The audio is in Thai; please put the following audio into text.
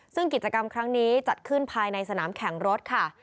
ซึ่งกิจกรรมครั้งนี้จัดขึ้นภายในสนามแข่งรถค่ะ